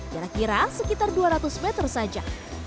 kira kira sekitar dua ratus meter saja